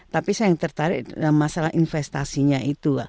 tapi saya yang tertarik dalam masalah investasinya itu